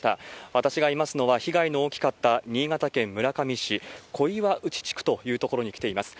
私がいますのは、被害の大きかった新潟県村上市小岩内地区という所に来ています。